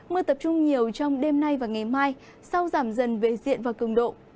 mưa tập trung nhiều trong đêm nay và ngày mai sau giảm dần về diện và cường độ